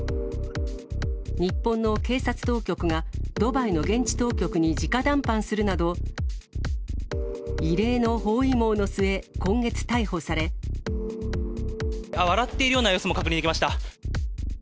日本の警察当局がドバイの現地当局にじか談判するなど、異例の包あっ、笑っているような様子も確認できました。